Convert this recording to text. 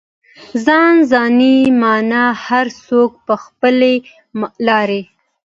ځان ځاني مانا هر څوک په خپلې لارې.